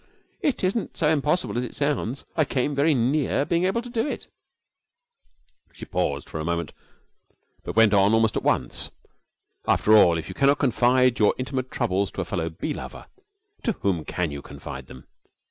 'It isn't so impossible as it sounds. I came very near being able to do it.' She paused for a moment, but went on almost at once. After all, if you cannot confide your intimate troubles to a fellow bee lover, to whom can you confide them?